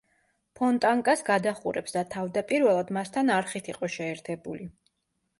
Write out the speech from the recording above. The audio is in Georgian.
ფონტანკას გადაჰყურებს და თავდაპირველად მასთან არხით იყო შეერთებული.